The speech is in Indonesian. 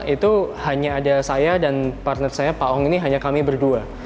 itu hanya ada saya dan partner saya pak ong ini hanya kami berdua